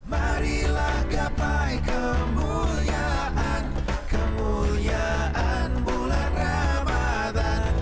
marilah gapai kemuliaan kemuliaan bulan ramadhan